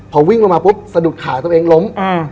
พอวิ่งลงมาปุ๊บสะดุดขาตัวเองล้ม